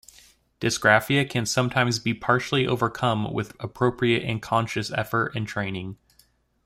Dysgraphia can sometimes be partially overcome with appropriate and conscious effort and training.